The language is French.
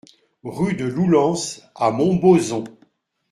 Rue de Loulans à Montbozon